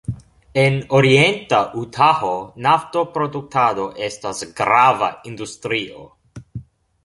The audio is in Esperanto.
En orienta Utaho-naftoproduktado estas grava industrio.